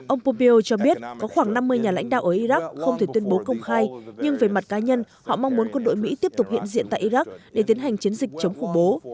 ông pompeo cho biết có khoảng năm mươi nhà lãnh đạo ở iraq không thể tuyên bố công khai nhưng về mặt cá nhân họ mong muốn quân đội mỹ tiếp tục hiện diện tại iraq để tiến hành chiến dịch chống khủng bố